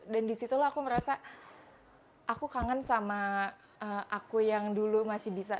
dan disitu aku merasa aku kangen sama aku yang dulu masih bisa